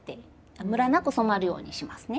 むらなく染まるようにしますね。